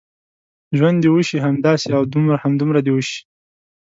ژوند دې وشي، همداسې او همدومره دې وشي.